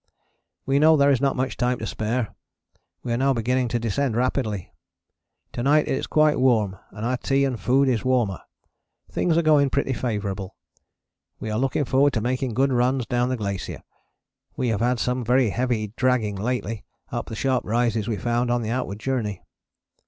We know there is not much time to spare. We are now beginning to descend rapidly. To night it is quite warm, and our tea and food is warmer. Things are going pretty favourable. We are looking forward to making good runs down the glacier. We have had some very heavy dragging lately [up] the sharp rises we found on the outward journey.